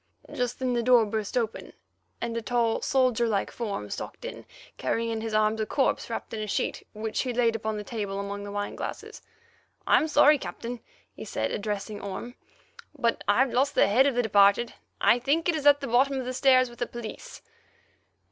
Just then the door burst open, and a tall, soldier like form stalked in, carrying in his arms a corpse wrapped in a sheet, which he laid upon the table among the wine glasses. "I'm sorry, Captain," he said, addressing Orme, "but I've lost the head of the departed. I think it is at the bottom of the stairs with the police.